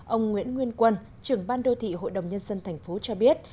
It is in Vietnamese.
ông nguyễn nguyên quân trưởng ban đô thị hội đồng nhân dân tp cho biết